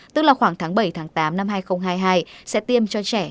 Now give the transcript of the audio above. tức là khoảng tháng bảy tám năm hai nghìn hai mươi hai